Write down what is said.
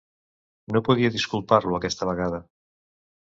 No podia disculpar-lo aquesta vegada.